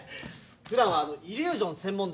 普段はイリュージョン専門でして。